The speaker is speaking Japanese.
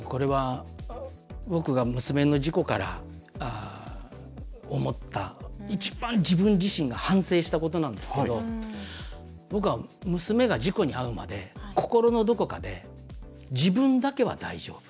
僕が娘の事故から思った一番自分自身が反省したことなんですけど僕は娘が事故に遭うまで心のどこかで自分だけは大丈夫。